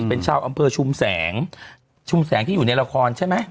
เป็นชาวอำเภอชุมแสงชุมแสงที่อยู่ในละครใช่ไหม